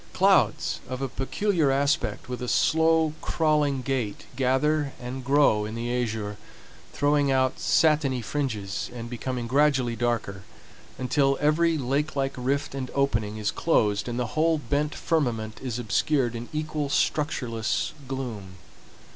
Clouds of a peculiar aspect with a slow, crawling gait gather and grow in the azure, throwing out satiny fringes, and becoming gradually darker until every lake like rift and opening is closed and the whole bent firmament is obscured in equal structureless gloom.